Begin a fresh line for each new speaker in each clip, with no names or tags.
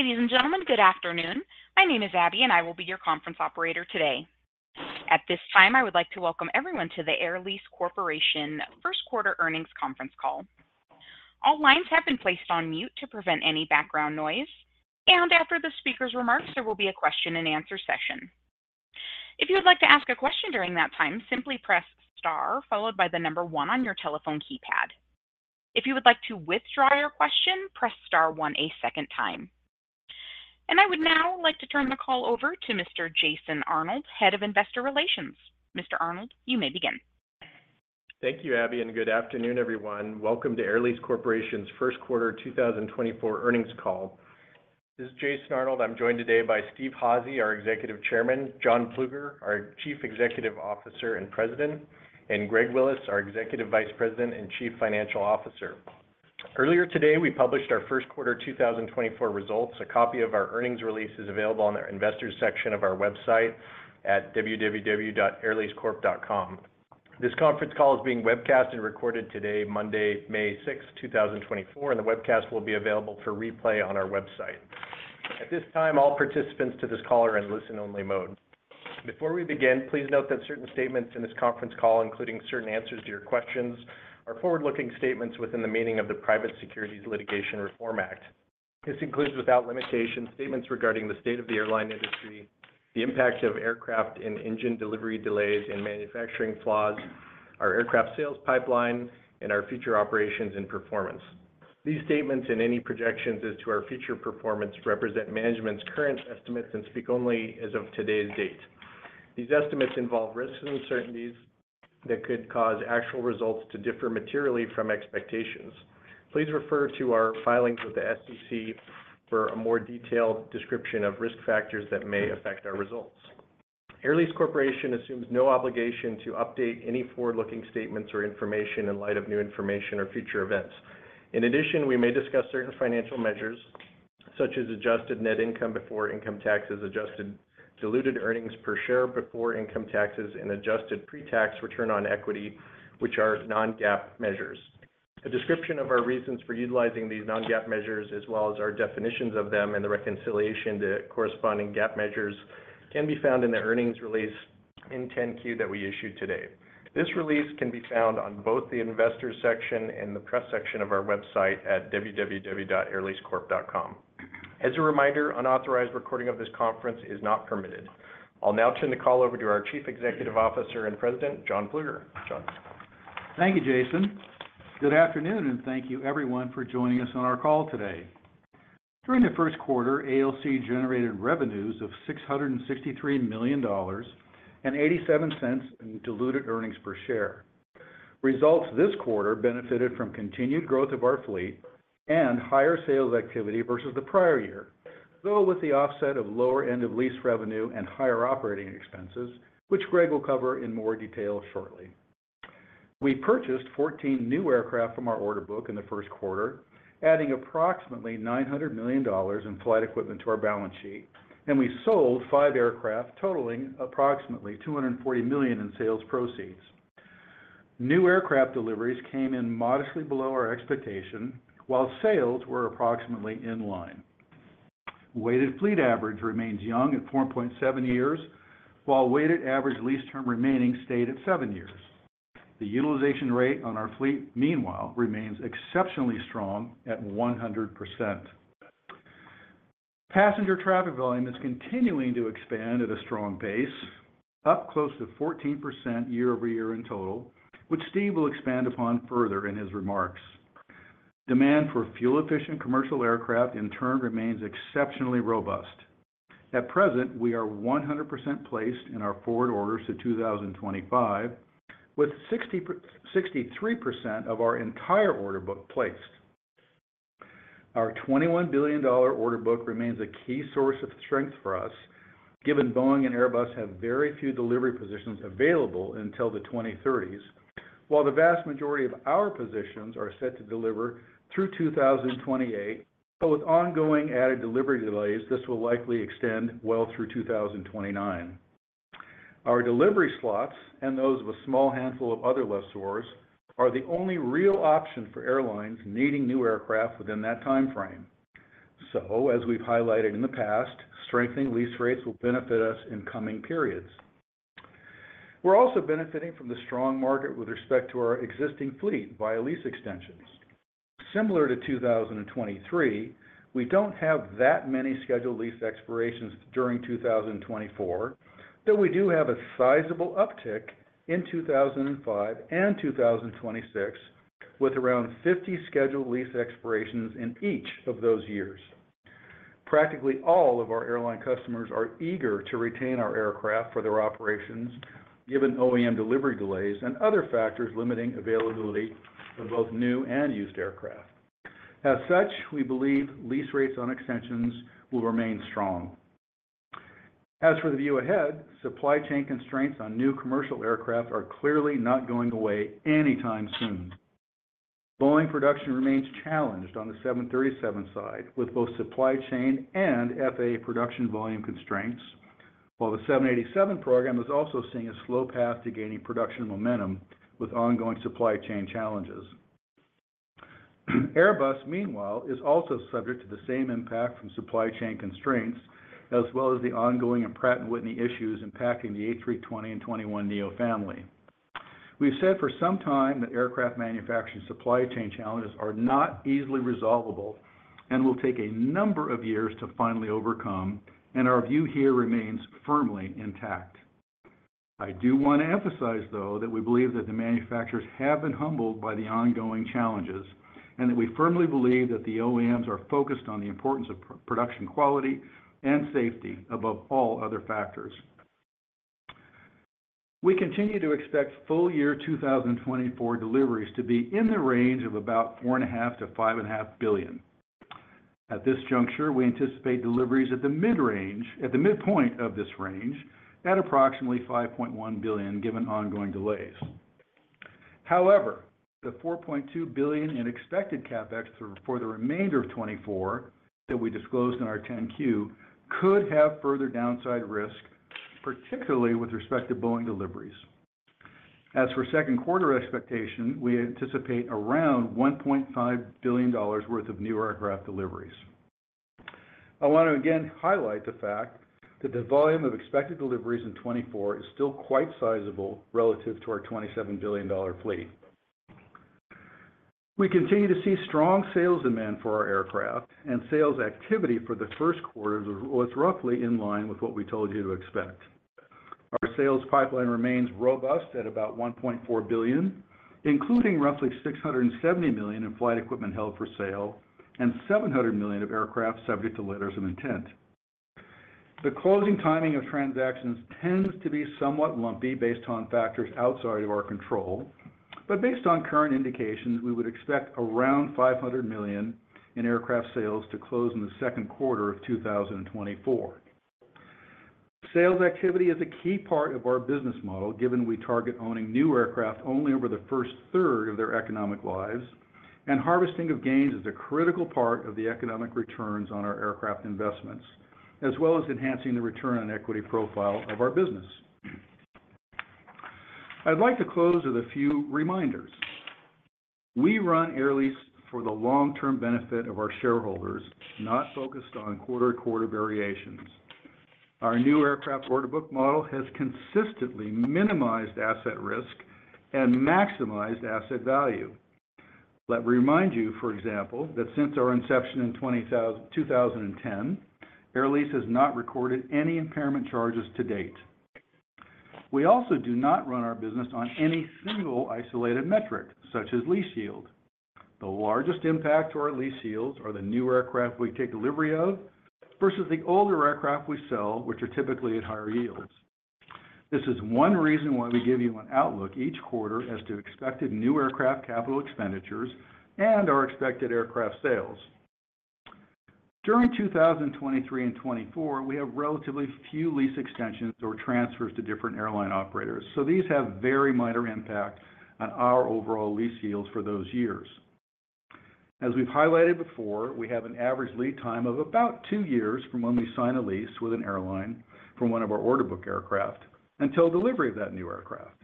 Ladies and gentlemen, good afternoon. My name is Abby, and I will be your conference operator today. At this time, I would like to welcome everyone to the Air Lease Corporation First Quarter Earnings Conference Call. All lines have been placed on mute to prevent any background noise, and after the speaker's remarks, there will be a question and answer session. If you would like to ask a question during that time, simply press Star followed by the number one on your telephone keypad. If you would like to withdraw your question, press Star one a second time. I would now like to turn the call over to Mr. Jason Arnold, Head of Investor Relations. Mr. Arnold, you may begin.
Thank you, Abby, and good afternoon, everyone. Welcome to Air Lease Corporation's First Quarter 2024 Earnings Call. This is Jason Arnold. I'm joined today by Steve Hazy, our Executive Chairman, John Plueger, our Chief Executive Officer and President, and Greg Willis, our Executive Vice President and Chief Financial Officer. Earlier today, we published our first quarter 2024 results. A copy of our earnings release is available on the investors section of our website at www.airleasecorp.com. This conference call is being webcast and recorded today, Monday, May 6, 2024, and the webcast will be available for replay on our website. At this time, all participants to this call are in listen-only mode. Before we begin, please note that certain statements in this conference call, including certain answers to your questions, are forward-looking statements within the meaning of the Private Securities Litigation Reform Act. This includes, without limitation, statements regarding the state of the airline industry, the impact of aircraft and engine delivery delays and manufacturing flaws, our aircraft sales pipeline, and our future operations and performance. These statements and any projections as to our future performance represent management's current estimates and speak only as of today's date. These estimates involve risks and uncertainties that could cause actual results to differ materially from expectations. Please refer to our filings with the SEC for a more detailed description of risk factors that may affect our results. Air Lease Corporation assumes no obligation to update any forward-looking statements or information in light of new information or future events. In addition, we may discuss certain financial measures, such as adjusted net income before income taxes, adjusted diluted earnings per share before income taxes, and adjusted pre-tax return on equity, which are non-GAAP measures. A description of our reasons for utilizing these non-GAAP measures, as well as our definitions of them and the reconciliation to corresponding GAAP measures, can be found in the earnings release in 10-Q that we issued today. This release can be found on both the investors section and the press section of our website at www.airleasecorp.com. As a reminder, unauthorized recording of this conference is not permitted. I'll now turn the call over to our Chief Executive Officer and President, John Plueger. John?
Thank you, Jason. Good afternoon, and thank you everyone for joining us on our call today. During the first quarter, ALC generated revenues of $663 million and $0.87 in diluted earnings per share. Results this quarter benefited from continued growth of our fleet and higher sales activity versus the prior year, though with the offset of lower end of lease revenue and higher operating expenses, which Greg will cover in more detail shortly. We purchased 14 new aircraft from our order book in the first quarter, adding approximately $900 million in flight equipment to our balance sheet, and we sold five aircraft, totaling approximately $240 million in sales proceeds. New aircraft deliveries came in modestly below our expectation, while sales were approximately in line. Weighted fleet average remains young at 4.7 years, while weighted average lease term remaining stayed at seven years. The utilization rate on our fleet, meanwhile, remains exceptionally strong at 100%. Passenger traffic volume is continuing to expand at a strong pace, up close to 14% year-over-year in total, which Steve will expand upon further in his remarks. Demand for fuel-efficient commercial aircraft, in turn, remains exceptionally robust. At present, we are 100% placed in our forward orders to 2025, with 63% of our entire order book placed. Our $21 billion order book remains a key source of strength for us, given Boeing and Airbus have very few delivery positions available until the 2030s. While the vast majority of our positions are set to deliver through 2028, but with ongoing added delivery delays, this will likely extend well through 2029. Our delivery slots, and those of a small handful of other lessors, are the only real option for airlines needing new aircraft within that time frame. So, as we've highlighted in the past, strengthening lease rates will benefit us in coming periods. We're also benefiting from the strong market with respect to our existing fleet via lease extensions. Similar to 2023, we don't have that many scheduled lease expirations during 2024, though we do have a sizable uptick in 2005 and 2026, with around 50 scheduled lease expirations in each of those years. Practically all of our airline customers are eager to retain our aircraft for their operations, given OEM delivery delays and other factors limiting availability of both new and used aircraft. As such, we believe lease rates on extensions will remain strong. As for the view ahead, supply chain constraints on new commercial aircraft are clearly not going away anytime soon. Boeing production remains challenged on the 737 side, with both supply chain and FAA production volume constraints. While the 787 program is also seeing a slow path to gaining production momentum with ongoing supply chain challenges. Airbus, meanwhile, is also subject to the same impact from supply chain constraints, as well as the ongoing Pratt & Whitney issues impacting the A320neo and A321neo family. We've said for some time that aircraft manufacturing supply chain challenges are not easily resolvable, and will take a number of years to finally overcome, and our view here remains firmly intact. I do want to emphasize, though, that we believe that the manufacturers have been humbled by the ongoing challenges, and that we firmly believe that the OEMs are focused on the importance of production, quality, and safety above all other factors. We continue to expect full year 2024 deliveries to be in the range of about $4.5 billion-$5.5 billion. At this juncture, we anticipate deliveries at the midpoint of this range, at approximately $5.1 billion, given ongoing delays. However, the $4.2 billion in expected CapEx for the remainder of 2024, that we disclosed in our 10-Q, could have further downside risk, particularly with respect to Boeing deliveries. As for second quarter expectation, we anticipate around $1.5 billion worth of new aircraft deliveries. I want to again highlight the fact that the volume of expected deliveries in 2024 is still quite sizable relative to our $27 billion fleet. We continue to see strong sales demand for our aircraft, and sales activity for the first quarter was roughly in line with what we told you to expect. Our sales pipeline remains robust at about $1.4 billion, including roughly $670 million in flight equipment held for sale, and $700 million of aircraft subject to letters of intent. The closing timing of transactions tends to be somewhat lumpy based on factors outside of our control, but based on current indications, we would expect around $500 million in aircraft sales to close in the second quarter of 2024. Sales activity is a key part of our business model, given we target owning new aircraft only over the first third of their economic lives, and harvesting of gains is a critical part of the economic returns on our aircraft investments, as well as enhancing the return on equity profile of our business. I'd like to close with a few reminders. We run Air Lease for the long-term benefit of our shareholders, not focused on quarter-to-quarter variations. Our new aircraft order book model has consistently minimized asset risk and maximized asset value. Let me remind you, for example, that since our inception in 2010, Air Lease has not recorded any impairment charges to date. We also do not run our business on any single isolated metric, such as lease yield. The largest impact to our lease yields are the new aircraft we take delivery of, versus the older aircraft we sell, which are typically at higher yields. This is one reason why we give you an outlook each quarter as to expected new aircraft capital expenditures and our expected aircraft sales. During 2023 and 2024, we have relatively few lease extensions or transfers to different airline operators, so these have very minor impact on our overall lease yields for those years. As we've highlighted before, we have an average lead time of about two years from when we sign a lease with an airline from one of our order book aircraft, until delivery of that new aircraft.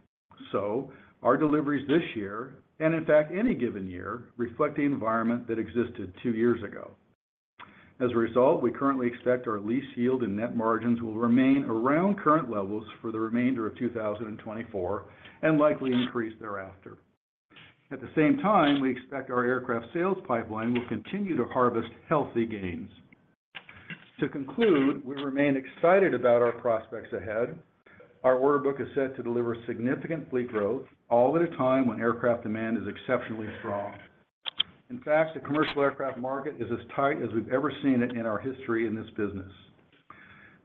So our deliveries this year, and in fact, any given year, reflect the environment that existed two years ago. As a result, we currently expect our lease yield and net margins will remain around current levels for the remainder of 2024, and likely increase thereafter. At the same time, we expect our aircraft sales pipeline will continue to harvest healthy gains. To conclude, we remain excited about our prospects ahead. Our order book is set to deliver significant fleet growth, all at a time when aircraft demand is exceptionally strong. In fact, the commercial aircraft market is as tight as we've ever seen it in our history in this business.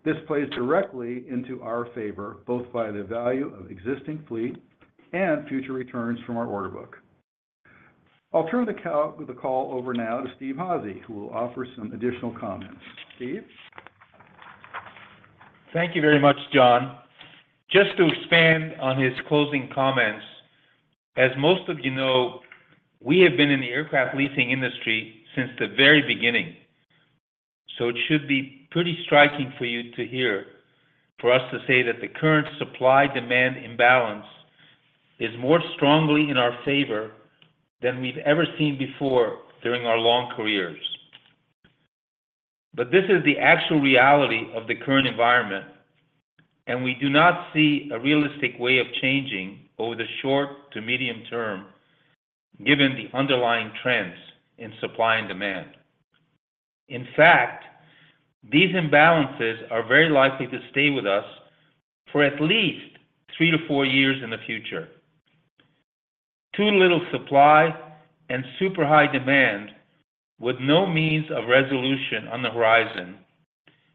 This plays directly into our favor, both by the value of existing fleet and future returns from our order book. I'll turn the call over now to Steve Hazy, who will offer some additional comments. Steve?
Thank you very much, John. Just to expand on his closing comments, as most of you know, we have been in the aircraft leasing industry since the very beginning. So it should be pretty striking for you to hear, for us to say that the current supply-demand imbalance is more strongly in our favor than we've ever seen before during our long careers. But this is the actual reality of the current environment, and we do not see a realistic way of changing over the short to medium term, given the underlying trends in supply and demand. In fact, these imbalances are very likely to stay with us for at least three to four years in the future. Too little supply and super high demand with no means of resolution on the horizon,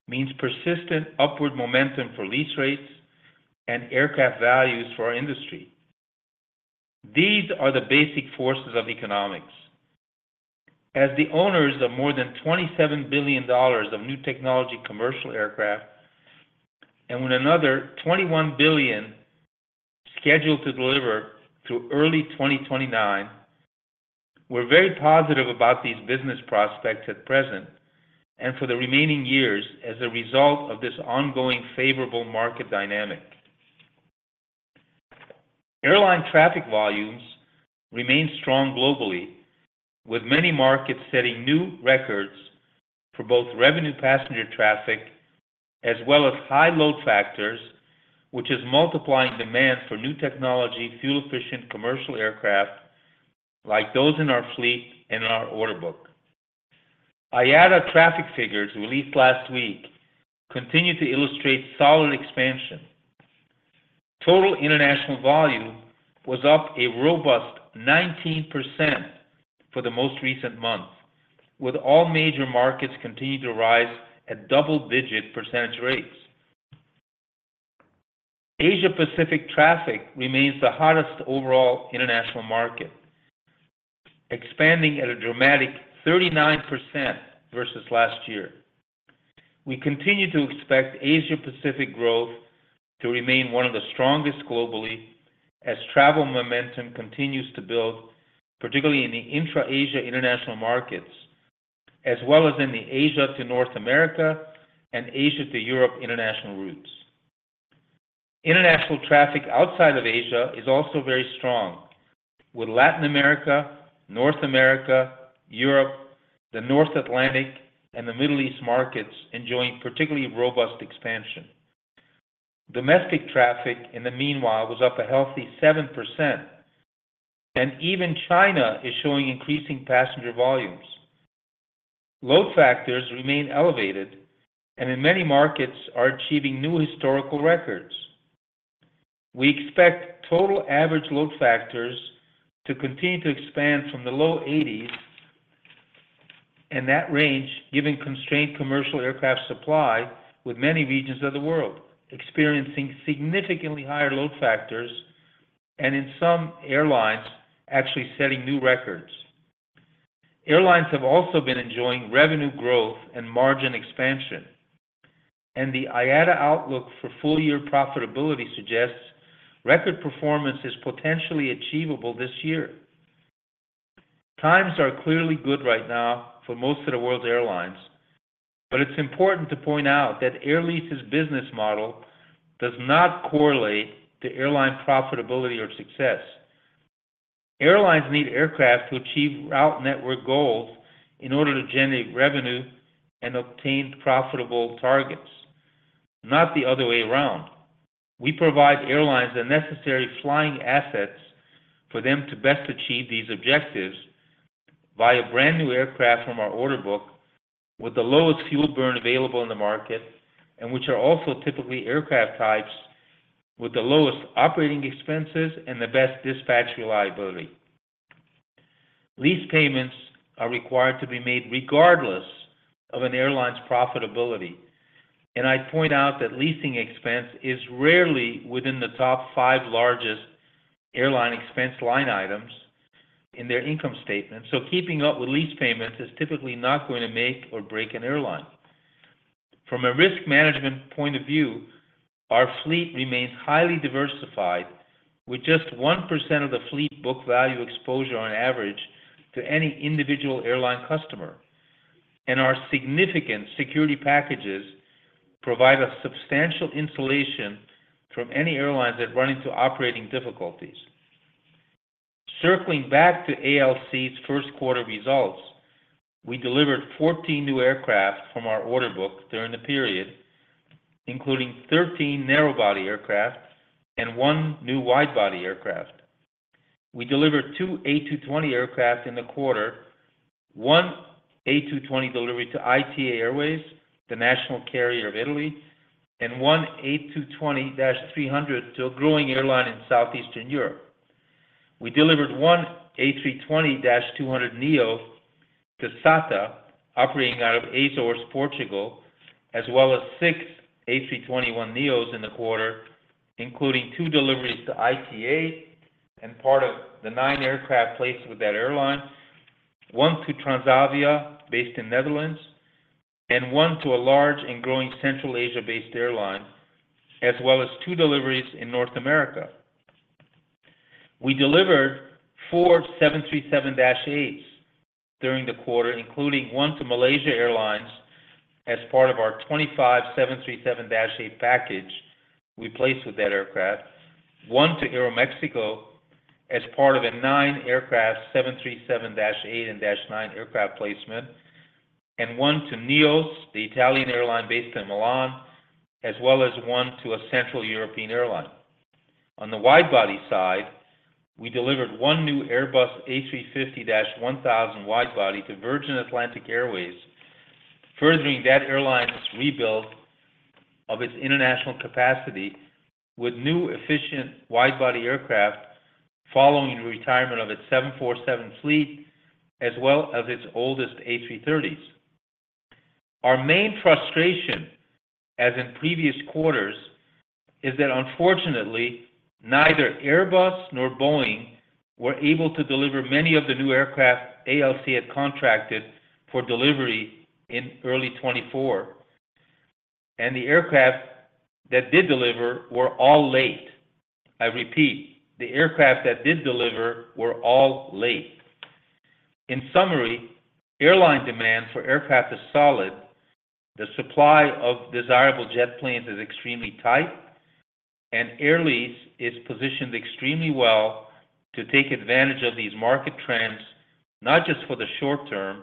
means persistent upward momentum for lease rates and aircraft values for our industry. These are the basic forces of economics. As the owners of more than $27 billion of new technology commercial aircraft, and with another $21 billion scheduled to deliver through early 2029. We're very positive about these business prospects at present and for the remaining years as a result of this ongoing favorable market dynamic. Airline traffic volumes remain strong globally, with many markets setting new records for both revenue passenger traffic as well as high load factors, which is multiplying demand for new technology, fuel-efficient commercial aircraft like those in our fleet and in our order book. IATA traffic figures released last week continued to illustrate solid expansion. Total international volume was up a robust 19% for the most recent month, with all major markets continuing to rise at double-digit percentage rates. Asia-Pacific traffic remains the hottest overall international market, expanding at a dramatic 39% versus last year. We continue to expect Asia-Pacific growth to remain one of the strongest globally as travel momentum continues to build, particularly in the intra-Asia international markets, as well as in the Asia to North America and Asia to Europe international routes. International traffic outside of Asia is also very strong, with Latin America, North America, Europe, the North Atlantic, and the Middle East markets enjoying particularly robust expansion. Domestic traffic, in the meanwhile, was up a healthy 7%, and even China is showing increasing passenger volumes. Load factors remain elevated and in many markets are achieving new historical records. We expect total average load factors to continue to expand from the low 80s and that range, given constrained commercial aircraft supply with many regions of the world experiencing significantly higher load factors and in some airlines actually setting new records. Airlines have also been enjoying revenue growth and margin expansion, and the IATA outlook for full-year profitability suggests record performance is potentially achievable this year. Times are clearly good right now for most of the world's airlines, but it's important to point out that Air Lease's business model does not correlate to airline profitability or success. Airlines need aircraft to achieve route network goals in order to generate revenue and obtain profitable targets, not the other way around. We provide airlines the necessary flying assets for them to best achieve these objectives via brand-new aircraft from our order book, with the lowest fuel burn available in the market, and which are also typically aircraft types with the lowest operating expenses and the best dispatch reliability. Lease payments are required to be made regardless of an airline's profitability, and I'd point out that leasing expense is rarely within the top five largest airline expense line items in their income statement. So keeping up with lease payments is typically not going to make or break an airline. From a risk management point of view, our fleet remains highly diversified, with just 1% of the fleet book value exposure on average to any individual airline customer. Our significant security packages provide a substantial insulation from any airlines that run into operating difficulties. Circling back to ALC's first quarter results, we delivered 14 new aircraft from our order book during the period, including 13 narrow-body aircraft and one new wide-body aircraft. We delivered two A220 aircraft in the quarter, one A220 delivery to ITA Airways, the national carrier of Italy, and one A220-300 to a growing airline in Southeastern Europe. We delivered one A320-200neo to SATA, operating out of Azores, Portugal, as well as six A321neos in the quarter, including two deliveries to ITA and part of the nine aircraft placed with that airline, one to Transavia, based in Netherlands, and one to a large and growing Central Asia-based airline, as well as two deliveries in North America. We delivered 4 737-8s during the quarter, including one to Malaysia Airlines as part of our 25 737-8 package we placed with that airline, one to Aeroméxico as part of a nine aircraft 737-8 and -9 aircraft placement, and one to Neos, the Italian airline based in Milan, as well as one to a Central European airline. On the wide-body side, we delivered one new Airbus A350-1000 wide-body to Virgin Atlantic Airways, furthering that airline's rebuild of its international capacity with new, efficient wide-body aircraft following the retirement of its 747 fleet, as well as its oldest A330s. Our main frustration, as in previous quarters, is that unfortunately, neither Airbus nor Boeing were able to deliver many of the new aircraft ALC had contracted for delivery in early 2024, and the aircraft that did deliver were all late. I repeat, the aircraft that did deliver were all late. In summary, airline demand for aircraft is solid, the supply of desirable jet planes is extremely tight, and Air Lease is positioned extremely well to take advantage of these market trends, not just for the short term,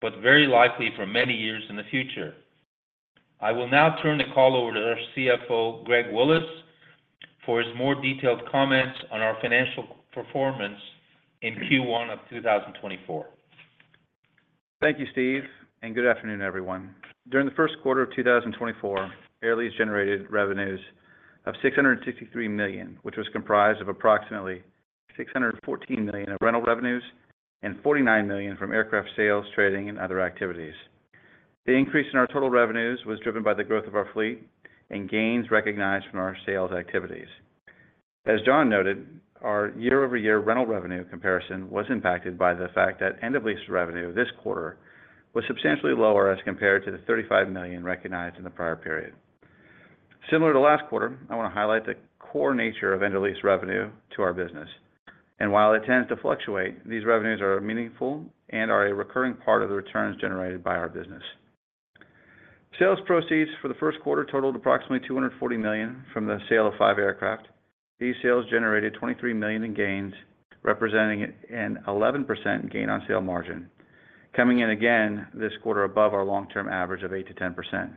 but very likely for many years in the future. I will now turn the call over to our CFO, Greg Willis, for his more detailed comments on our financial performance in Q1 of 2024.
Thank you, Steve, and good afternoon, everyone. During the first quarter of 2024, Air Lease generated revenues of $663 million, which was comprised of approximately $614 million of rental revenues and $49 million from aircraft sales, trading, and other activities. The increase in our total revenues was driven by the growth of our fleet and gains recognized from our sales activities. As John noted, our year-over-year rental revenue comparison was impacted by the fact that end-of-lease revenue this quarter was substantially lower as compared to the $35 million recognized in the prior period. Similar to last quarter, I want to highlight the core nature of end-of-lease revenue to our business, and while it tends to fluctuate, these revenues are meaningful and are a recurring part of the returns generated by our business. Sales proceeds for the first quarter totaled approximately $240 million from the sale of five aircraft. These sales generated $23 million in gains, representing an 11% gain on sale margin, coming in again this quarter above our long-term average of 8%-10%.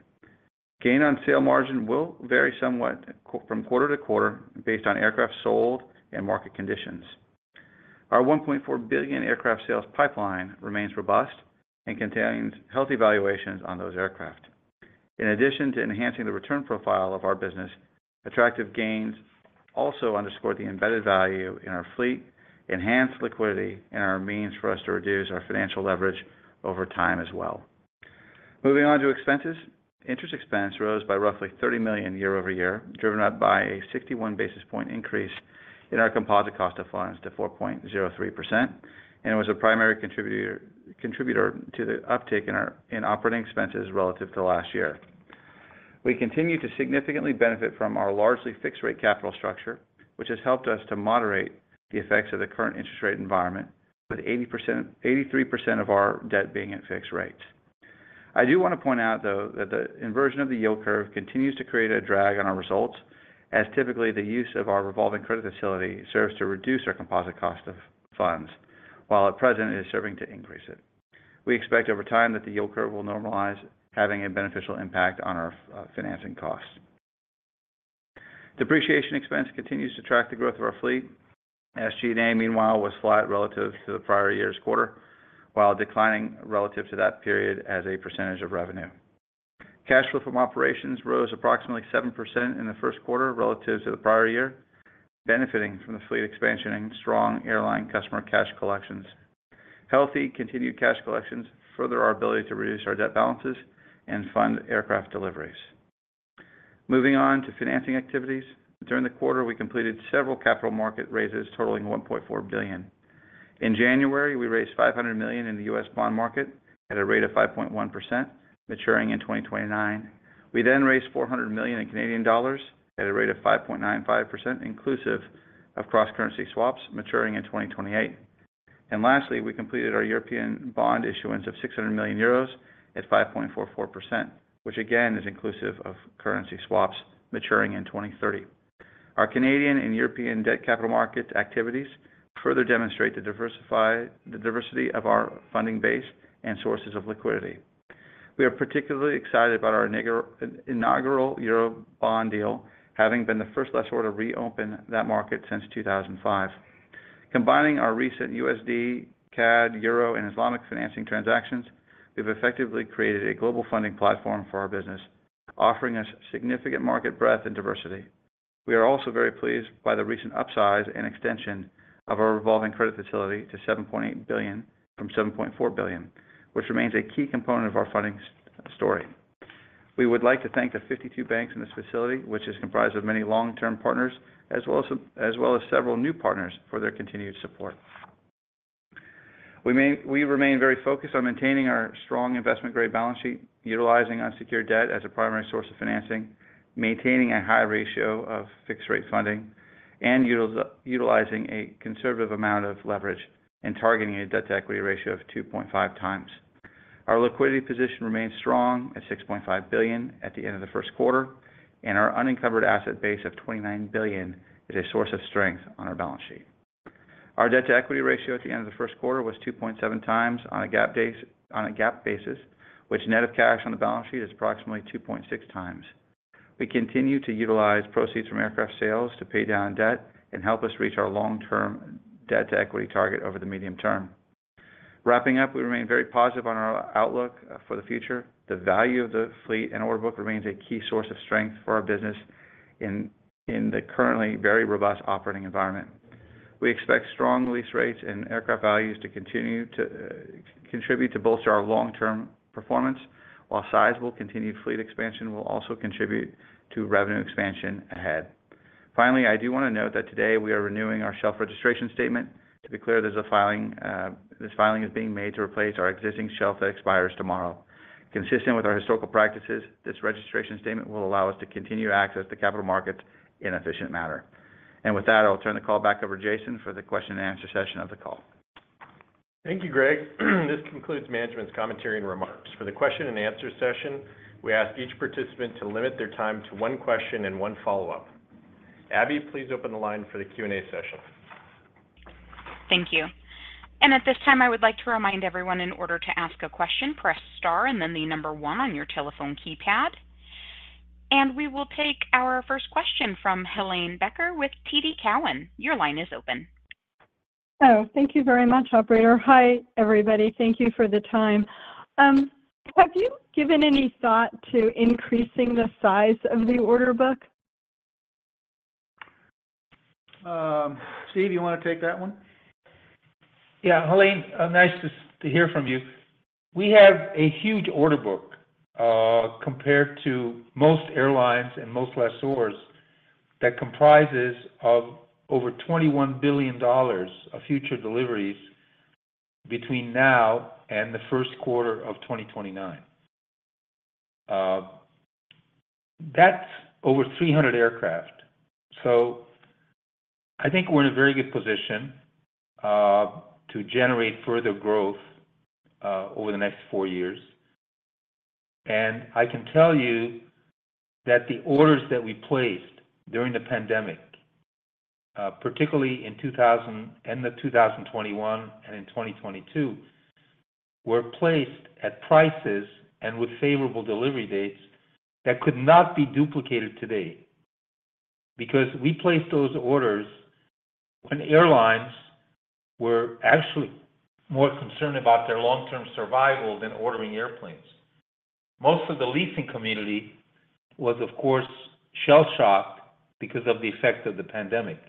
Gain on sale margin will vary somewhat from quarter to quarter based on aircraft sold and market conditions. Our $1.4 billion aircraft sales pipeline remains robust and contains healthy valuations on those aircraft. In addition to enhancing the return profile of our business, attractive gains also underscore the embedded value in our fleet, enhanced liquidity, and our means for us to reduce our financial leverage over time as well. Moving on to expenses. Interest expense rose by roughly $30 million year-over-year, driven up by a 61 basis point increase in our composite cost of funds to 4.03%, and was a primary contributor to the uptick in our operating expenses relative to last year. We continue to significantly benefit from our largely fixed rate capital structure, which has helped us to moderate the effects of the current interest rate environment, with 83% of our debt being at fixed rates. I do want to point out, though, that the inversion of the yield curve continues to create a drag on our results, as typically the use of our revolving credit facility serves to reduce our composite cost of funds, while at present, it is serving to increase it. We expect over time that the yield curve will normalize, having a beneficial impact on our financing costs. Depreciation expense continues to track the growth of our fleet. SG&A, meanwhile, was flat relative to the prior year's quarter, while declining relative to that period as a percentage of revenue. Cash flow from operations rose approximately 7% in the first quarter relative to the prior year, benefiting from the fleet expansion and strong airline customer cash collections. Healthy continued cash collections further our ability to reduce our debt balances and fund aircraft deliveries. Moving on to financing activities. During the quarter, we completed several capital market raises, totaling $1.4 billion. In January, we raised $500 million in the US bond market at a rate of 5.1%, maturing in 2029. We then raised 400 million at a rate of 5.95%, inclusive of cross-currency swaps maturing in 2028. Lastly, we completed our European bond issuance of 600 million euros at 5.44%, which again is inclusive of currency swaps maturing in 2030. Our Canadian and European debt capital market activities further demonstrate the diversity of our funding base and sources of liquidity. We are particularly excited about our inaugural Euro bond deal, having been the first lessor to reopen that market since 2005. Combining our recent USD, CAD, Euro, and Islamic financing transactions, we've effectively created a global funding platform for our business, offering us significant market breadth and diversity. We are also very pleased by the recent upsize and extension of our revolving credit facility to $7.8 billion from $7.4 billion, which remains a key component of our funding story. We would like to thank the 52 banks in this facility, which is comprised of many long-term partners, as well as several new partners for their continued support. We remain very focused on maintaining our strong investment-grade balance sheet, utilizing unsecured debt as a primary source of financing, maintaining a high ratio of fixed rate funding, and utilizing a conservative amount of leverage and targeting a debt-to-equity ratio of 2.5 times. Our liquidity position remains strong at $6.5 billion at the end of the first quarter, and our uncovered asset base of $29 billion is a source of strength on our balance sheet. Our debt-to-equity ratio at the end of the first quarter was 2.7 times on a GAAP basis, which net of cash on the balance sheet, is approximately 2.6 times. We continue to utilize proceeds from aircraft sales to pay down debt and help us reach our long-term debt-to-equity target over the medium term. Wrapping up, we remain very positive on our outlook for the future. The value of the fleet and order book remains a key source of strength for our business in the currently very robust operating environment. We expect strong lease rates and aircraft values to continue to contribute to bolster our long-term performance, while sizable continued fleet expansion will also contribute to revenue expansion ahead.... Finally, I do want to note that today we are renewing our shelf registration statement. To be clear, there's a filing, this filing is being made to replace our existing shelf that expires tomorrow. Consistent with our historical practices, this registration statement will allow us to continue to access the capital markets in an efficient manner. With that, I'll turn the call back over Jason, for the question and answer session of the call.
Thank you, Greg. This concludes management's commentary and remarks. For the question and answer session, we ask each participant to limit their time to one question and one follow-up. Abby, please open the line for the Q&A session.
Thank you. At this time, I would like to remind everyone, in order to ask a question, press Star and then the number one on your telephone keypad. We will take our first question from Helane Becker with TD Cowen. Your line is open.
Oh, thank you very much, operator. Hi, everybody. Thank you for the time. Have you given any thought to increasing the size of the order book?
Steve, you want to take that one?
Yeah. Helane, nice to hear from you. We have a huge order book compared to most airlines and most lessors that comprises over $21 billion of future deliveries between now and the first quarter of 2029. That's over 300 aircraft. So I think we're in a very good position to generate further growth over the next four years. And I can tell you that the orders that we placed during the pandemic, particularly in... end of 2021 and in 2022, were placed at prices and with favorable delivery dates that could not be duplicated today. Because we placed those orders when airlines were actually more concerned about their long-term survival than ordering airplanes. Most of the leasing community was, of course, shell-shocked because of the effect of the pandemic,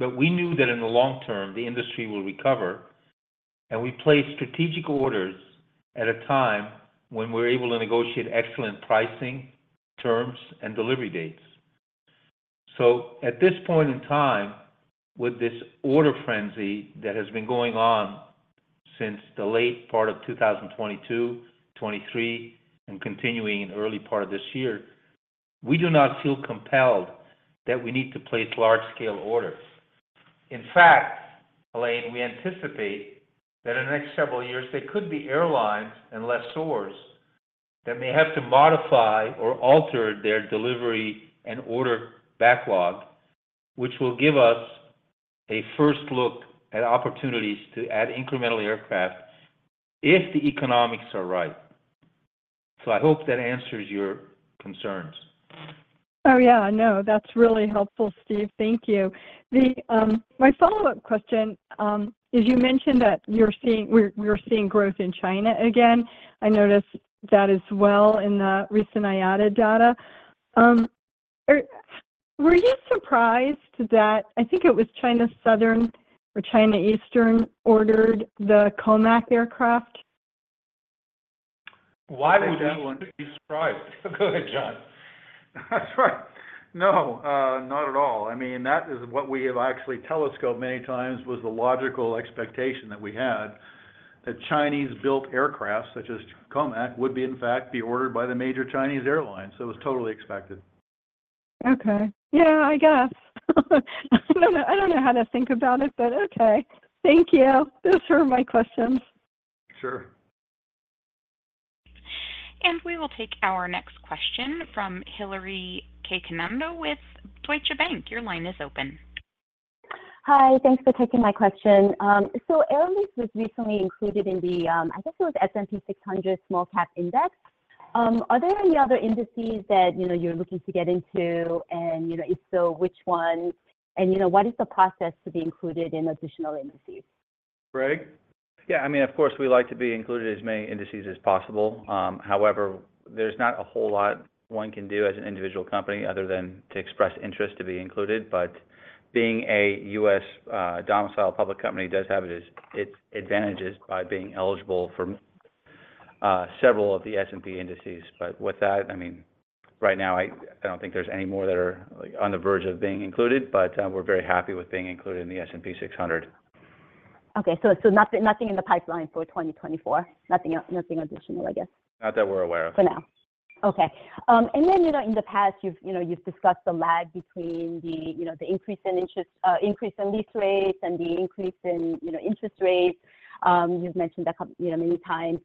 but we knew that in the long term, the industry will recover, and we placed strategic orders at a time when we were able to negotiate excellent pricing, terms, and delivery dates. So at this point in time, with this order frenzy that has been going on since the late part of 2022, 2023, and continuing in early part of this year, we do not feel compelled that we need to place large-scale orders. In fact, Helane, we anticipate that in the next several years, there could be airlines and lessors that may have to modify or alter their delivery and order backlog, which will give us a first look at opportunities to add incremental aircraft if the economics are right. So I hope that answers your concerns.
Oh, yeah, I know. That's really helpful, Steve. Thank you. My follow-up question is you mentioned that you're seeing-- we're seeing growth in China again. I noticed that as well in the recent IATA data. Were you surprised that, I think it was China Southern or China Eastern, ordered the COMAC aircraft?
Why would we be surprised? Go ahead, John.
That's right. No, not at all. I mean, that is what we have actually telegraphed many times, was the logical expectation that we had, that Chinese-built aircraft, such as COMAC, would be, in fact, be ordered by the major Chinese airlines. So it was totally expected.
Okay. Yeah, I guess. I don't know, I don't know how to think about it, but okay. Thank you. Those were my questions.
Sure.
We will take our next question from Hillary Cacanando with Deutsche Bank. Your line is open.
Hi, thanks for taking my question. Air Lease was recently included in the, I guess it was S&P SmallCap 600 Index. Are there any other indices that, you know, you're looking to get into? And, you know, if so, which ones, and, you know, what is the process to be included in additional indices?
Greg?
Yeah, I mean, of course, we like to be included in as many indices as possible. However, there's not a whole lot one can do as an individual company other than to express interest to be included. But being a U.S., domiciled public company does have its, its advantages by being eligible for, several of the S&P indices. But with that, I mean, right now, I, I don't think there's any more that are, like, on the verge of being included, but, we're very happy with being included in the S&P 600.
Okay. So nothing in the pipeline for 2024? Nothing additional, I guess.
Not that we're aware of.
For now. Okay. And then, you know, in the past, you've, you know, you've discussed the lag between the, you know, the increase in interest, increase in lease rates and the increase in, you know, interest rates. You've mentioned that, you know, many times.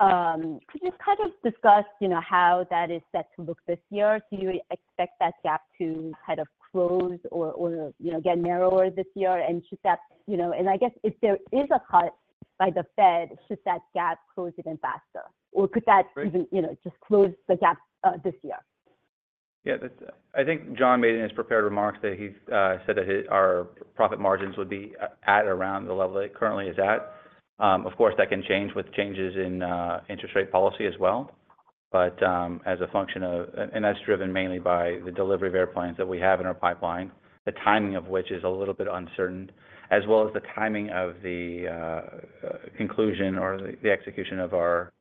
Could you kind of discuss, you know, how that is set to look this year? Do you expect that gap to kind of close or, you know, get narrower this year? And should that, you know... And I guess if there is a cut by the Fed, should that gap close even faster? Or could that-
Great...
even, you know, just close the gap this year?
Yeah, that's. I think John made in his prepared remarks that he said that our profit margins would be at around the level it currently is at. Of course, that can change with changes in interest rate policy as well, but as a function of, and that's driven mainly by the delivery of airplanes that we have in our pipeline, the timing of which is a little bit uncertain, as well as the timing of the conclusion or the execution of our-...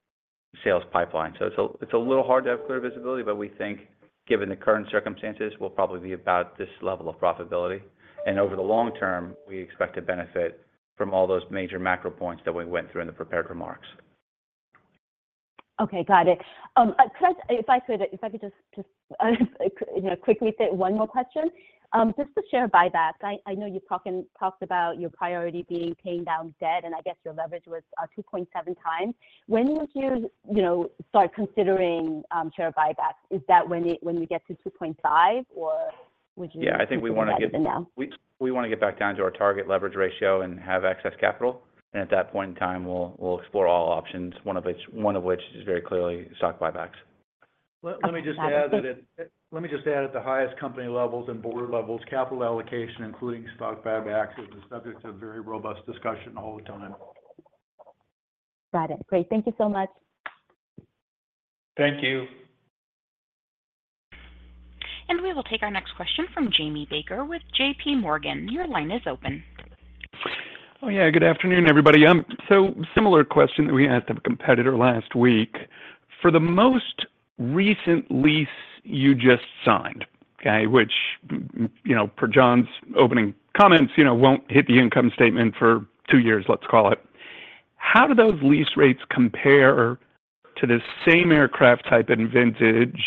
sales pipeline. So it's a, it's a little hard to have clear visibility, but we think given the current circumstances, we'll probably be about this level of profitability. And over the long term, we expect to benefit from all those major macro points that we went through in the prepared remarks.
Okay, got it. Could I just, you know, quickly fit one more question? Just the share buybacks. I know you've talked about your priority being paying down debt, and I guess your leverage was 2.7 times. When would you, you know, start considering share buybacks? Is that when you get to 2.5, or would you-
Yeah, I think we want to get-
Even now?
We want to get back down to our target leverage ratio and have excess capital, and at that point in time, we'll explore all options, one of which is very clearly stock buybacks.
Let me just add that at-
Got it.
Let me just add, at the highest company levels and board levels, capital allocation, including stock buybacks, is the subject of very robust discussion all the time.
Got it. Great. Thank you so much.
Thank you.
We will take our next question from Jamie Baker with J.P. Morgan. Your line is open.
Oh, yeah. Good afternoon, everybody. So similar question that we asked a competitor last week: For the most recent lease you just signed, okay, which, you know, per John's opening comments, you know, won't hit the income statement for two years, let's call it, how do those lease rates compare to the same aircraft type and vintage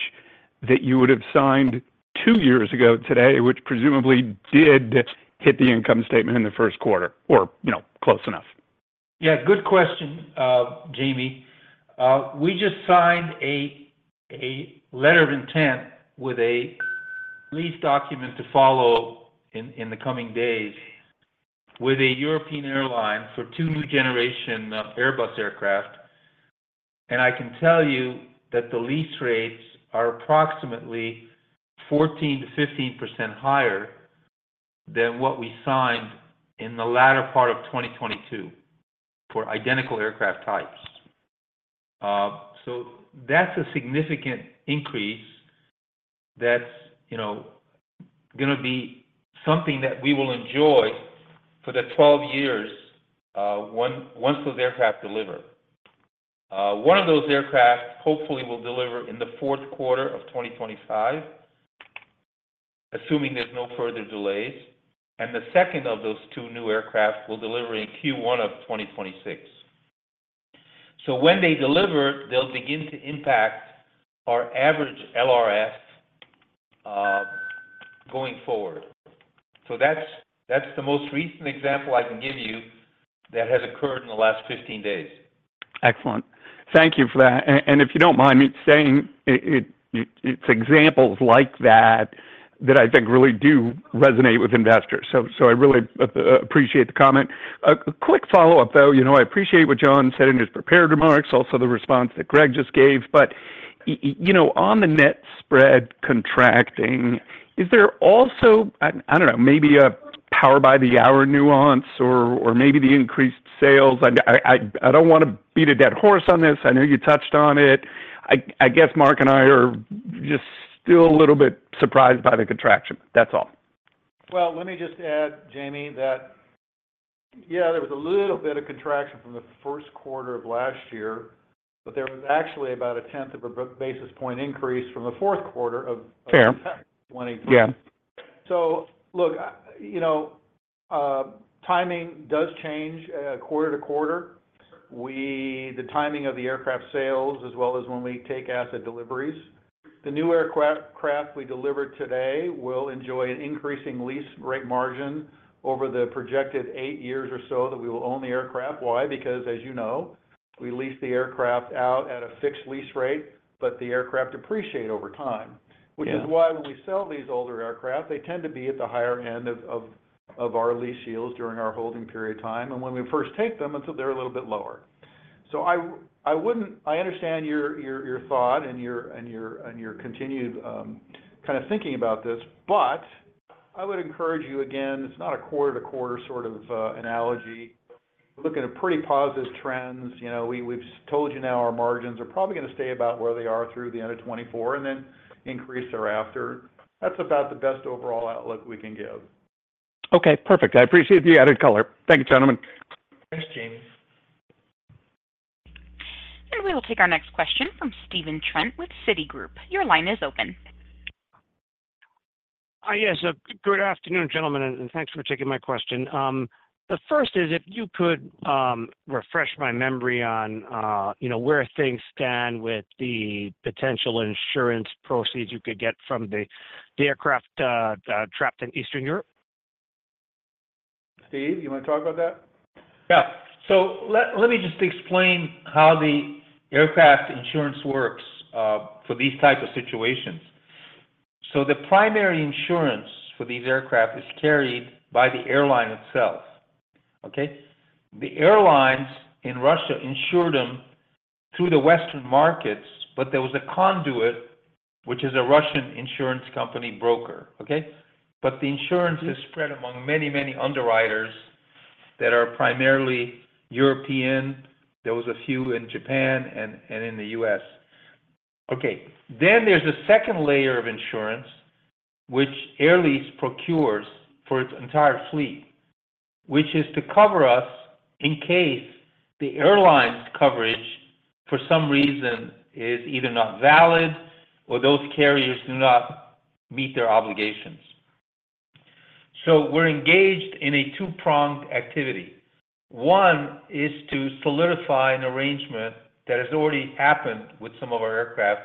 that you would have signed two years ago today, which presumably did hit the income statement in the first quarter, or, you know, close enough?
Yeah, good question, Jamie. We just signed a letter of intent with a lease document to follow in the coming days with a European airline for two new generation Airbus aircraft. And I can tell you that the lease rates are approximately 14%-15% higher than what we signed in the latter part of 2022 for identical aircraft types. So that's a significant increase that's, you know, gonna be something that we will enjoy for the 12 years once those aircraft deliver. One of those aircraft hopefully will deliver in the fourth quarter of 2025, assuming there's no further delays, and the second of those two new aircraft will deliver in Q1 of 2026. So when they deliver, they'll begin to impact our average LRS going forward. that's, that's the most recent example I can give you that has occurred in the last 15 days.
Excellent. Thank you for that. And if you don't mind me saying it, it's examples like that that I think really do resonate with investors. So I really appreciate the comment. A quick follow-up, though. You know, I appreciate what John said in his prepared remarks, also the response that Greg just gave. But you know, on the net spread contracting, is there also, I don't know, maybe a power by the hour nuance or maybe the increased sales? I don't want to beat a dead horse on this. I know you touched on it. I guess Mark and I are just still a little bit surprised by the contraction. That's all.
Well, let me just add, Jamie, that, yeah, there was a little bit of contraction from the first quarter of last year, but there was actually about a tenth of a basis point increase from the fourth quarter of-
Fair
...22.
Yeah.
So look, you know, timing does change, quarter to quarter. We, the timing of the aircraft sales, as well as when we take asset deliveries. The new aircraft we deliver today will enjoy an increasing lease rate margin over the projected eight years or so that we will own the aircraft. Why? Because, as you know, we lease the aircraft out at a fixed lease rate, but the aircraft depreciate over time.
Yeah.
Which is why when we sell these older aircraft, they tend to be at the higher end of our lease yields during our holding period of time, and when we first take them, until they're a little bit lower. So I wouldn't. I understand your thought and your continued kind of thinking about this, but I would encourage you, again, it's not a quarter-to-quarter sort of analogy. We're looking at pretty positive trends. You know, we've told you now our margins are probably gonna stay about where they are through the end of 2024 and then increase thereafter. That's about the best overall outlook we can give.
Okay, perfect. I appreciate the added color. Thank you, gentlemen.
Thanks, Jamie.
We will take our next question from Stephen Trent with Citigroup. Your line is open.
Yes, good afternoon, gentlemen, and thanks for taking my question. The first is, if you could refresh my memory on, you know, where things stand with the potential insurance proceeds you could get from the aircraft trapped in Eastern Europe.
Steve, you want to talk about that?
Yeah. So let me just explain how the aircraft insurance works for these types of situations. So the primary insurance for these aircraft is carried by the airline itself, okay? The airlines in Russia insured them through the Western markets, but there was a conduit, which is a Russian insurance company broker, okay? But the insurance is spread among many, many underwriters that are primarily European. There was a few in Japan and in the U.S.....
Okay, then there's a second layer of insurance, which Air Lease procures for its entire fleet, which is to cover us in case the airline's coverage, for some reason, is either not valid or those carriers do not meet their obligations. So we're engaged in a two-pronged activity. One is to solidify an arrangement that has already happened with some of our aircraft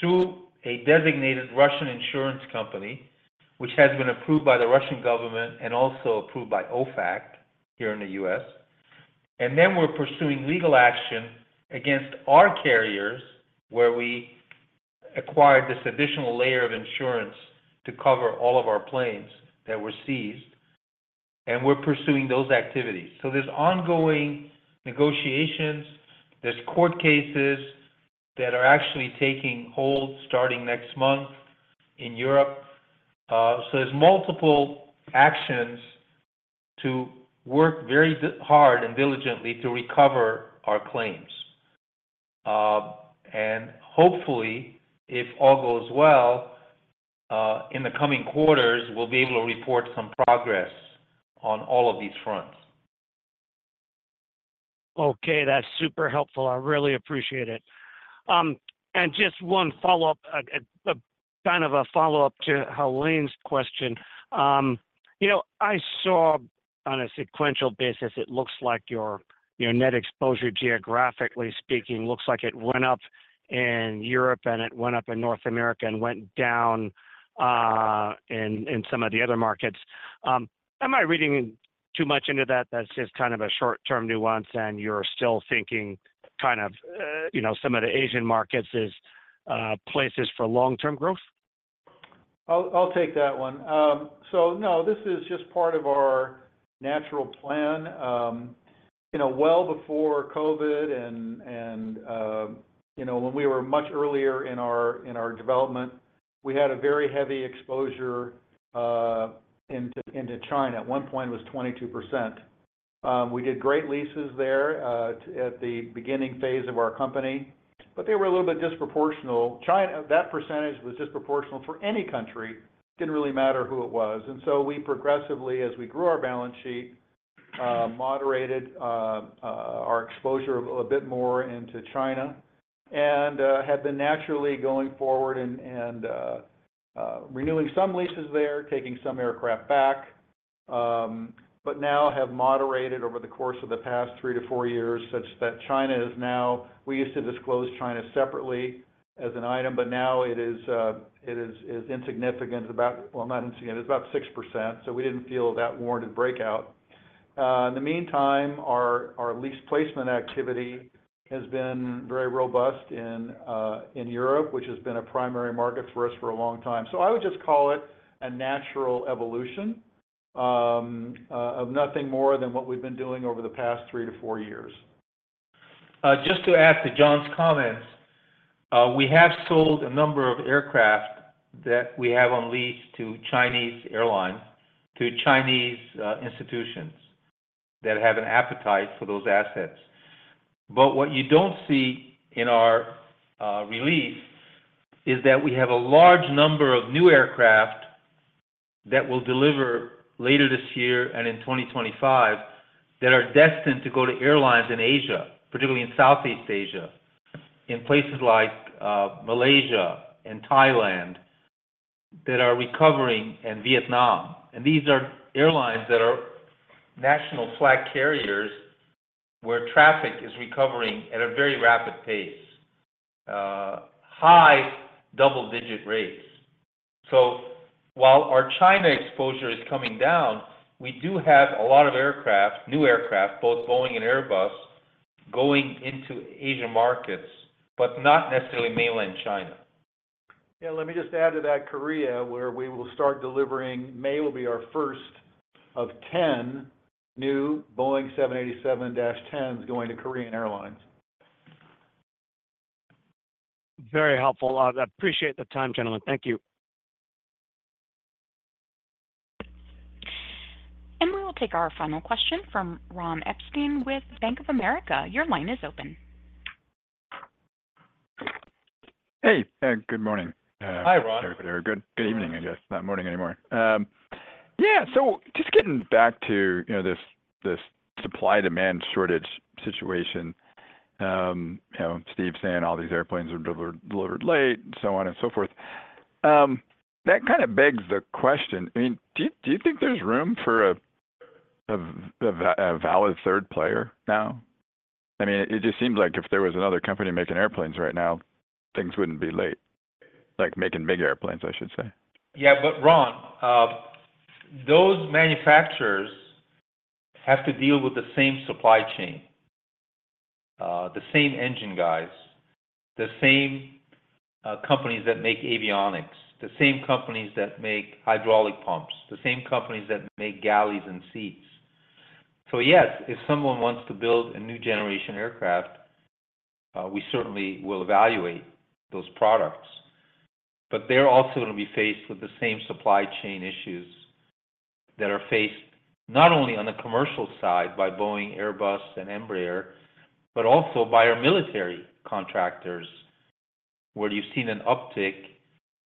through a designated Russian insurance company, which has been approved by the Russian government and also approved by OFAC here in the U.S. And then we're pursuing legal action against our carriers, where we acquired this additional layer of insurance to cover all of our planes that were seized, and we're pursuing those activities. So there's ongoing negotiations, there's court cases that are actually taking hold starting next month in Europe. So there's multiple actions to work very hard and diligently to recover our claims. And hopefully, if all goes well, in the coming quarters, we'll be able to report some progress on all of these fronts.
Okay, that's super helpful. I really appreciate it. And just one follow-up, a kind of a follow-up to Helane's question. You know, I saw on a sequential basis, it looks like your, your net exposure, geographically speaking, looks like it went up in Europe, and it went up in North America, and went down in some of the other markets. Am I reading too much into that, that's just kind of a short-term nuance, and you're still thinking, kind of, you know, some of the Asian markets as places for long-term growth?
I'll take that one. So no, this is just part of our natural plan. You know, well before COVID and, and, you know, when we were much earlier in our development, we had a very heavy exposure into China. At one point, it was 22%. We did great leases there at the beginning phase of our company, but they were a little bit disproportional. China. That percentage was disproportional for any country, didn't really matter who it was. And so we progressively, as we grew our balance sheet, moderated our exposure a little more into China and had been naturally going forward and renewing some leases there, taking some aircraft back. But now have moderated over the course of the past three to four years, such that China is now... We used to disclose China separately as an item, but now it is insignificant, about, well, not insignificant, it's about 6%, so we didn't feel that warranted breakout. In the meantime, our lease placement activity has been very robust in Europe, which has been a primary market for us for a long time. So I would just call it a natural evolution of nothing more than what we've been doing over the past three-to-four years.
Just to add to John's comments, we have sold a number of aircraft that we have on lease to Chinese airlines, to Chinese institutions that have an appetite for those assets. But what you don't see in our release is that we have a large number of new aircraft that will deliver later this year and in 2025, that are destined to go to airlines in Asia, particularly in Southeast Asia, in places like Malaysia and Thailand, that are recovering, and Vietnam. And these are airlines that are national flag carriers, where traffic is recovering at a very rapid pace, high double-digit rates. So while our China exposure is coming down, we do have a lot of aircraft, new aircraft, both Boeing and Airbus, going into Asian markets, but not necessarily mainland China.
Yeah, let me just add to that, Korea, where we will start delivering. May will be our first of 10 new Boeing 787-10s going to Korean Air.
Very helpful. I appreciate the time, gentlemen. Thank you.
We will take our final question from Ron Epstein with Bank of America. Your line is open.
Hey, good morning.
Hi, Ron.
Oh good, good evening, I guess, not morning anymore. Yeah, so just getting back to, you know, this supply-demand shortage situation, you know, Steve saying all these airplanes are delivered late and so on and so forth. That kinda begs the question, I mean, do you think there's room for a valid third player now? I mean, it just seems like if there was another company making airplanes right now, things wouldn't be late, like, making big airplanes, I should say.
Yeah, but Ron, those manufacturers have to deal with the same supply chain, the same engine guys, the same companies that make avionics, the same companies that make hydraulic pumps, the same companies that make galleys and seats. So yes, if someone wants to build a new generation aircraft, we certainly will evaluate those products... but they're also gonna be faced with the same supply chain issues that are faced, not only on the commercial side by Boeing, Airbus, and Embraer, but also by our military contractors, where you've seen an uptick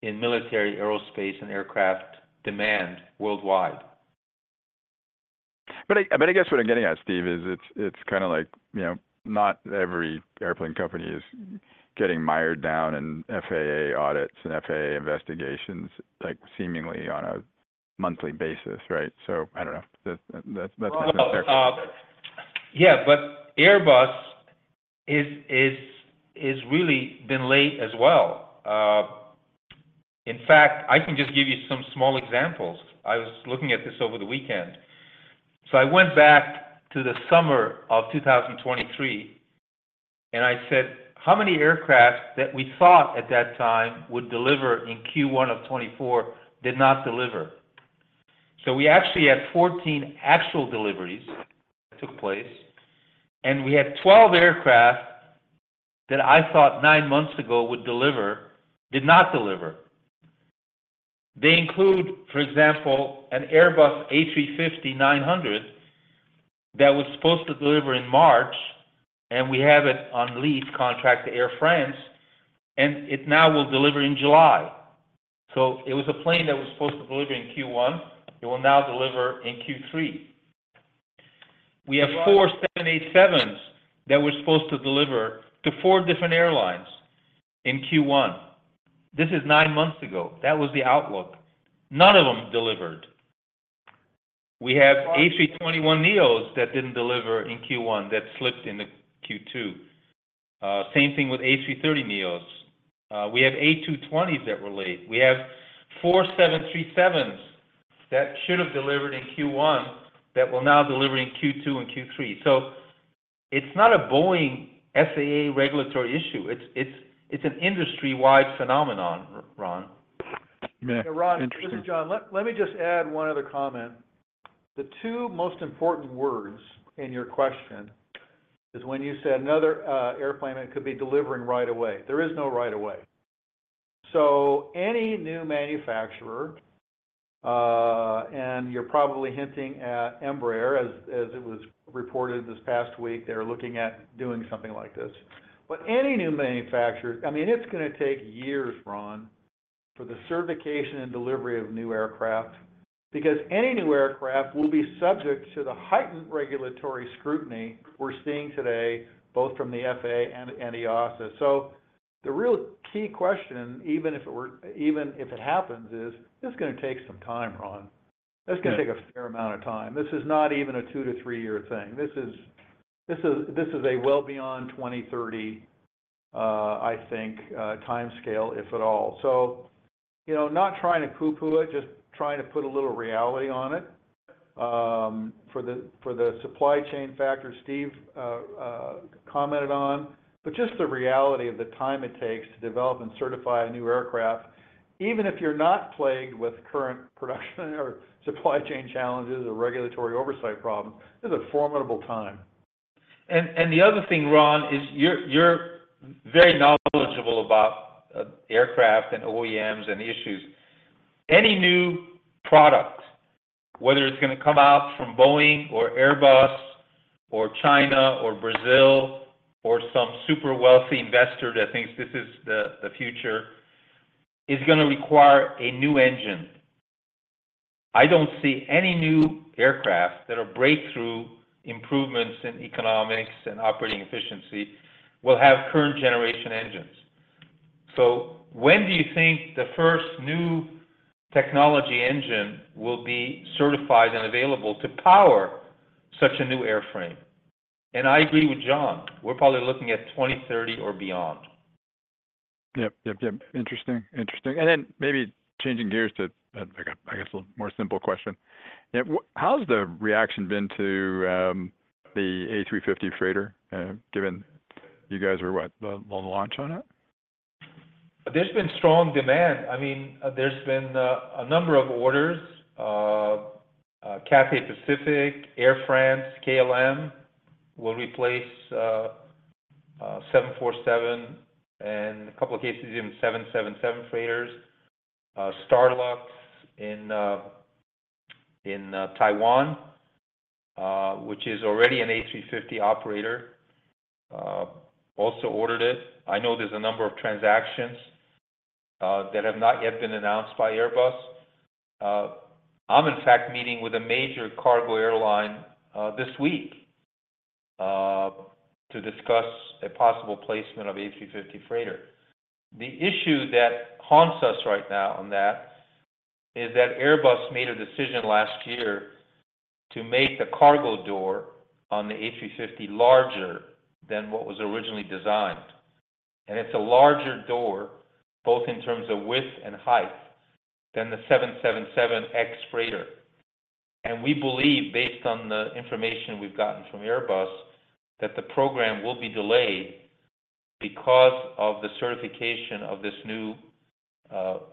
in military aerospace and aircraft demand worldwide.
But I guess what I'm getting at, Steve, is it's kind of like, you know, not every airplane company is getting mired down in FAA audits and FAA investigations, like, seemingly on a monthly basis, right? So I don't know. That's-
Well, yeah, but Airbus is really been late as well. In fact, I can just give you some small examples. I was looking at this over the weekend. So I went back to the summer of 2023, and I said, "How many aircraft that we thought at that time would deliver in Q1 of 2024 did not deliver?" So we actually had 14 actual deliveries that took place, and we had 12 aircraft that I thought nine months ago would deliver, did not deliver. They include, for example, an Airbus A350-900 that was supposed to deliver in March, and we have it on lease contract to Air France, and it now will deliver in July. So it was a plane that was supposed to deliver in Q1, it will now deliver in Q3. We have 4 787s that were supposed to deliver to four different airlines in Q1. This is nine months ago. That was the outlook. None of them delivered. We have A321neos that didn't deliver in Q1, that slipped into Q2. Same thing with A330neos. We have A220s that were late. We have 4 737s that should have delivered in Q1, that will now deliver in Q2 and Q3. So it's not a Boeing FAA regulatory issue, it's, it's, it's an industry-wide phenomenon, Ron.
Yeah, interesting.
Hey, Ron, this is John. Let me just add one other comment. The two most important words in your question is when you said another airplane that could be delivering right away. There is no right away. So any new manufacturer, and you're probably hinting at Embraer, as it was reported this past week, they're looking at doing something like this. But any new manufacturer- I mean, it's gonna take years, Ron, for the certification and delivery of new aircraft, because any new aircraft will be subject to the heightened regulatory scrutiny we're seeing today, both from the FAA and EASA. So the real key question, even if it were- even if it happens, is this is gonna take some time, Ron.
Yeah.
It's gonna take a fair amount of time. This is not even a two to three year thing. This is a well beyond 2030 timescale, if at all. So, you know, not trying to poo-poo it, just trying to put a little reality on it, for the supply chain factor Steve commented on. But just the reality of the time it takes to develop and certify a new aircraft, even if you're not plagued with current production or supply chain challenges or regulatory oversight problems, this is a formidable time.
And the other thing, Ron, is you're very knowledgeable about aircraft and OEMs and the issues. Any new product, whether it's gonna come out from Boeing or Airbus or China or Brazil or some super wealthy investor that thinks this is the future, is gonna require a new engine. I don't see any new aircraft that are breakthrough improvements in economics and operating efficiency will have current generation engines. So when do you think the first new technology engine will be certified and available to power such a new airframe? And I agree with John, we're probably looking at 2030 or beyond.
Yep, yep, yep. Interesting. Interesting. And then maybe changing gears to, I guess, a more simple question. Yeah, how's the reaction been to the A350 freighter, given you guys are what? The, the launch on it?
There's been strong demand. I mean, there's been a number of orders. Cathay Pacific, Air France, KLM will replace 747, and a couple of cases, even 777 freighters. Starlux in Taiwan, which is already an A350 operator, also ordered it. I know there's a number of transactions that have not yet been announced by Airbus. I'm in fact meeting with a major cargo airline this week to discuss a possible placement of A350 freighter. The issue that haunts us right now on that is that Airbus made a decision last year to make the cargo door on the A350 larger than what was originally designed, and it's a larger door, both in terms of width and height, than the 777X freighter. We believe, based on the information we've gotten from Airbus, that the program will be delayed because of the certification of this new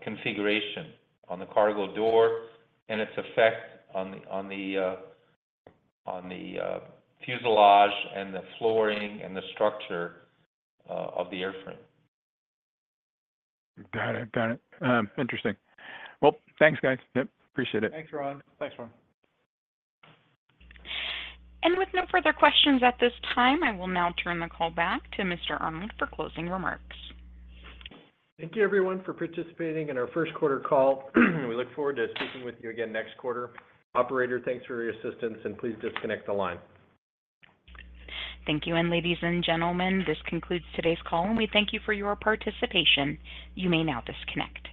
configuration on the cargo door and its effect on the fuselage and the flooring and the structure of the airframe.
Got it. Got it. Interesting. Well, thanks, guys. Yep, appreciate it.
Thanks, Ron.
Thanks, Ron.
With no further questions at this time, I will now turn the call back to Mr. Arnold for closing remarks.
Thank you, everyone, for participating in our first quarter call. We look forward to speaking with you again next quarter. Operator, thanks for your assistance, and please disconnect the line.
Thank you, and ladies and gentlemen, this concludes today's call, and we thank you for your participation. You may now disconnect.